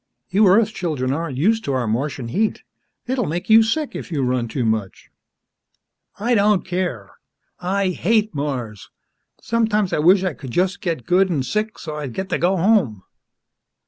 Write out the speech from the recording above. "You Earth children aren't used to our Martian heat. It'll make you sick if you run too much." "I don't care! I hate Mars! Sometimes I wish I could just get good an' sick, so's I'd get to go home!"